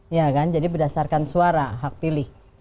ya kan jadi berdasarkan suara hak pilih